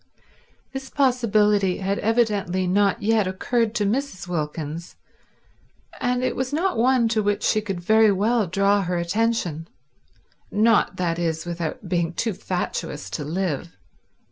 This possibility had evidently not yet occurred to Mrs. Wilkins, and it was not one to which she could very well draw her attention; not, that is, without being too fatuous to live.